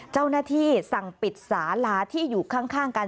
เจ้าหน้าที่สั่งปิดสาลาที่อยู่ข้างกัน